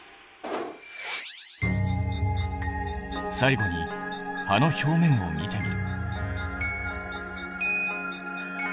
最後に葉の表面を見てみる。